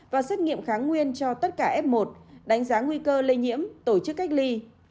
và xét nghiệm kháng nguyên cho tất cả f một đánh giá nguy cơ lây nhiễm tổ chức cách ly